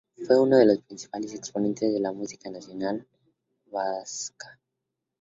Fue uno de los principales exponentes de la música nacional vasca.